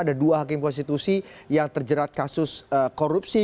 ada dua hakim konstitusi yang terjerat kasus korupsi